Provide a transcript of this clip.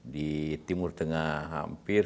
di timur tengah hampir